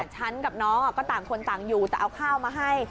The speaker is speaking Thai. ฉันกับน้องก็ต่างคนต่างอยู่แต่เอาข้าวมาให้